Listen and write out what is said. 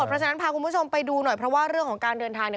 เพราะฉะนั้นพาคุณผู้ชมไปดูหน่อยเพราะว่าเรื่องของการเดินทางเนี่ย